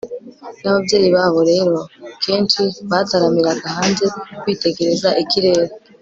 n'ababyeyi babo rero kenshi bataramiraga hanze, bitegereza ikirere